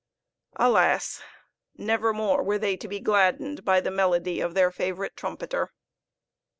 Alas! never more were they to be gladdened by the melody of their favorite trumpeter.